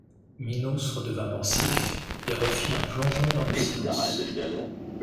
Minos redevint pensif et refît un plongeon dans le silence.